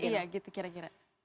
iya gitu kira kira